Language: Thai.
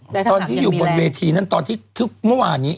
แล้วถ้าหากจะมีแรงตอนที่อยู่บนเวทีนั้นตอนที่เมื่อวานนี้